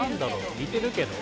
似てるけど。